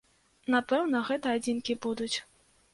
Напэўна, гэта адзінкі будуць.